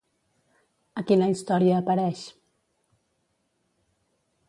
A quina història apareix?